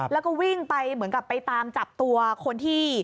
แล้วก็วิ่งไปเหมือนกับไปตามจับตัวคนที่